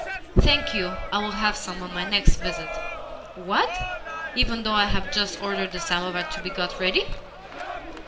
"Thank you, I will have some on my next visit." "What? Even though I have just ordered the samovar to be got ready?